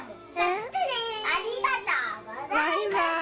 ありがとうございます。